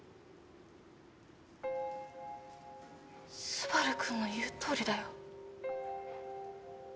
昴くんの言うとおりだよ。